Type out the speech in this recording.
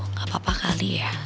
nggak apa apa kali ya